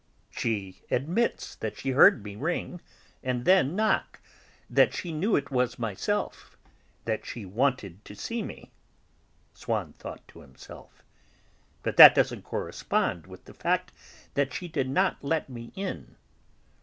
"She admits that she heard me ring, and then knock, that she knew it was myself, that she wanted to see me," Swann thought to himself. "But that doesn't correspond with the fact that she did not let me in."